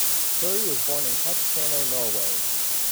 Turi was born in Kautokeino, Norway.